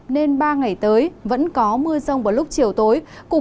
nên ba ngày tới vẫn có mưa rông vào lúc chiều tối